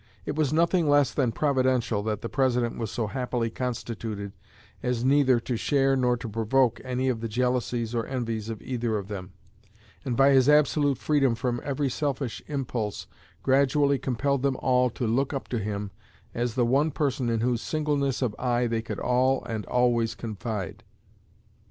It was nothing less than Providential that the President was so happily constituted as neither to share nor to provoke any of the jealousies or envies of either of them, and by his absolute freedom from every selfish impulse gradually compelled them all to look up to him as the one person in whose singleness of eye they could all and always confide.